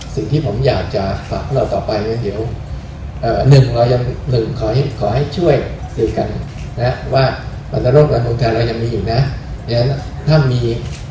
สิ่งที่ผมอยากจะฝากเพิ่มเราต่อไปนึกคอยช่วยบอนโลกระหลุงธานเรายังมีอยู่